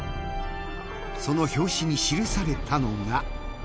その表紙に記されたのが。